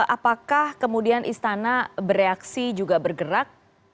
apakah kemudian istana bereaksi juga bergerak